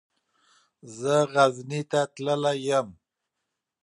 زه غزني ته تللی يم.